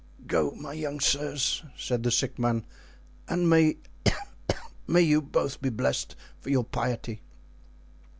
"Go, my young sirs," said the sick man, "and may you both be blessed for your piety.